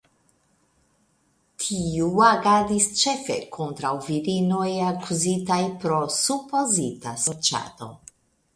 Tiu agadis ĉefe kontraŭ virinoj akuzitaj pro supozita sorĉado.